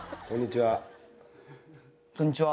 こんにちは。